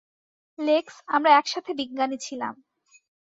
লেক্স, আমরা একসাথে বিজ্ঞানী ছিলাম।